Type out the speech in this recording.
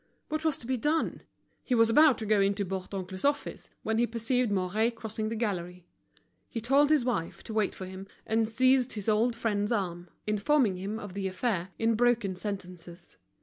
What was to be done? He was about to go into Bourdoncle's office, when he perceived Mouret crossing the gallery. He told his wife to wait for him, and seized his old friend's arm, informing him of the affair, in broken sentences.